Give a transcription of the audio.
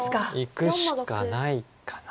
いくしかないかな。